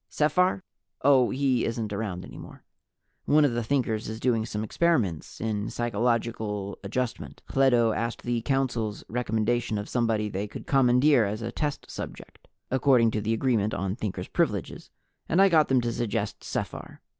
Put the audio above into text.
Sephar? Oh, he isn't around any more. One of the Thinkers is doing some experiments in Psychological Adjustment. Hledo asked the Council's recommendation of somebody they could commandeer as a test subject, according to the Agreement on Thinkers' Privileges, and I got them to suggest Sephar.